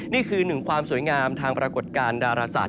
นี่คือหนึ่งความสวยงามทางปรากฏการณ์ดาราศาสต